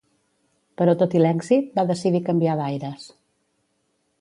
Però tot i l'èxit, va decidir canviar d'aires.